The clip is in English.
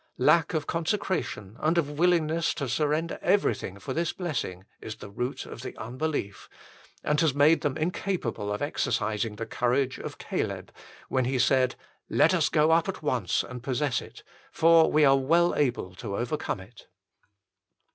Lack of consecration and of willingness to surrender everything for this blessing is the root of the unbelief, and has made them incapable of exercising the courage of Caleb when he said :" Lot us go up at once, and possess it ; for we are well able to overcome it."